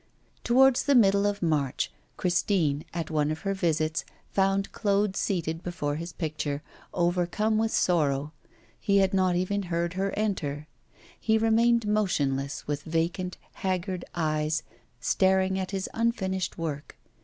Towards the middle of March, Christine, at one of her visits, found Claude seated before his picture, overcome with sorrow. He had not even heard her enter. He remained motionless, with vacant, haggard eyes staring at his unfinished work.